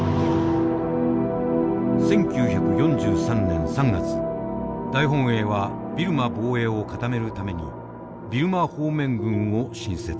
１９４３年３月大本営はビルマ防衛を固めるためにビルマ方面軍を新設。